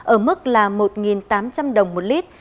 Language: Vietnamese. ở mức một tám trăm linh đồng một lít